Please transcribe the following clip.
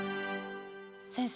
先生